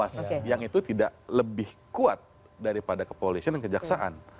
karena kemungkinan itu tidak lebih kuat daripada kepolisian dan kejaksaan